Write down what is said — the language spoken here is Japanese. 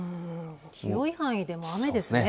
広い範囲でも雨ですね。